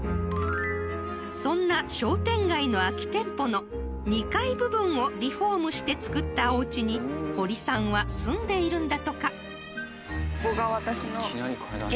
［そんな商店街の空き店舗の２階部分をリフォームして造ったおうちに堀さんは住んでいるんだとか］